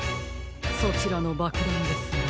そちらのばくだんですが。